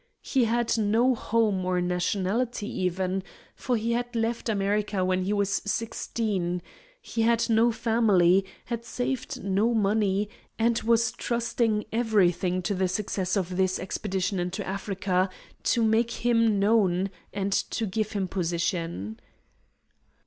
He had no home or nationality even, for he had left America when he was sixteen; he had no family, had saved no money, and was trusting everything to the success of this expedition into Africa to make him known and to give him position.